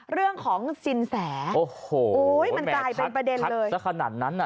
เรื่องของสินแสมันกลายเป็นประเด็นเลยโอ้โหแม่ทักทักสักขนาดนั้นน่ะ